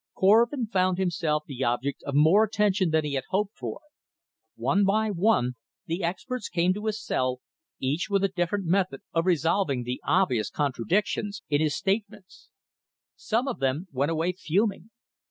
Korvin found himself the object of more attention than he had hoped for; one by one, the experts came to his cell, each with a different method of resolving the obvious contradictions in his statements. Some of them went away fuming.